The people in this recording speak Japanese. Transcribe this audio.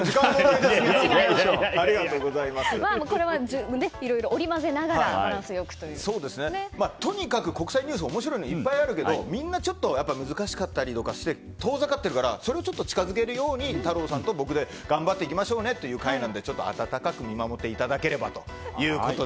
これはいろいろ織り交ぜながらとにかく、国際ニュースには面白いのがいっぱいあるけどみんな難しかったりとかして遠ざかっているから少し近づけるように僕と太郎さんで頑張っていきましょうねという会なので温かく見守っていただければと。